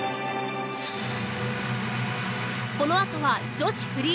このあとは女子フリー。